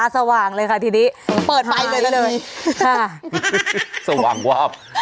สว่างวาบ